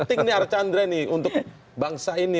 ini arkanra ini untuk bangsa ini